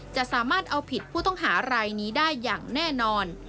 จะสามารถเอาผิดผู้ต้องหารายนี้ได้อย่างแน่นอน